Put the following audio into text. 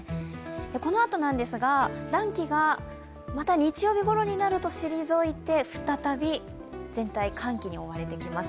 このあとなんですが、暖気がまた日曜日ごろになると退いて再び全体、寒気に覆われてきます。